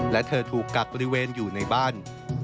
และเธอถูกกักบริเวณอยู่ในบ้าน